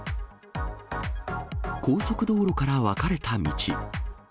高速道路から分かれた道。